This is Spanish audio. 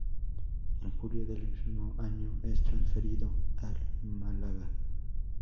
En julio del mismo año es transferido al Málaga.